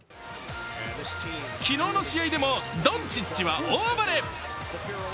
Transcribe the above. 昨日の試合でもドンチッチは大暴れ。